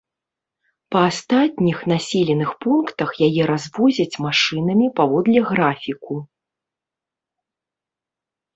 Па астатніх населеных пунктах яе развозяць машынамі паводле графіку.